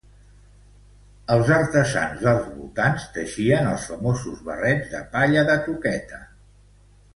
Els artesans dels voltants teixixen els famosos barrets de palla de toqueta.